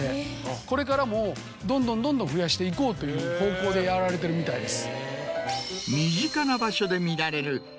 これからもどんどんどんどん増やしていこうという方向でやられてるみたいです。